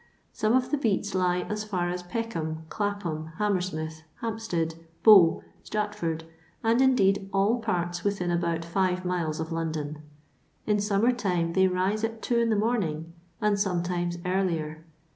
Some of the beats lie as far as Peckham, Clapham, Ham mersmith, Hampstead, Bow, Stratford, and indeed all parts within about five miles of London. In summer time they rise at two in the morning, and sometimes earlier.